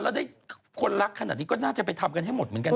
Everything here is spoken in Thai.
แล้วได้คนรักขนาดนี้ก็น่าจะไปทำกันให้หมดเหมือนกันนะ